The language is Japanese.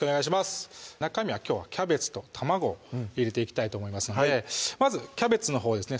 中身はきょうはキャベツと卵を入れていきたいと思いますのでまずキャベツのほうですね